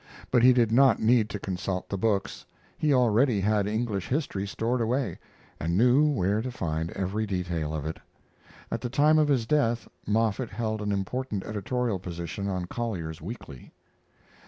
But he did not need to consult the books; he already had English history stored away, and knew where to find every detail of it. At the time of his death Moffett held an important editorial position on Collier's Weekly.